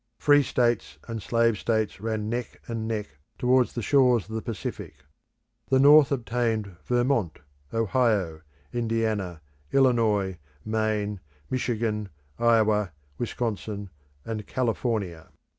Free states and slave states ran neck and neck towards the shores of the Pacific. The North obtained Vermont, Ohio, Indiana, Illinois, Maine, Michigan, Iowa, Wisconsin, and California.